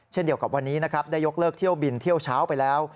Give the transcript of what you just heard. เช่นเดียวกับวันนี้นะครับได้ยกเลิกเที่ยวบินเที่ยวเช้าไปแล้ว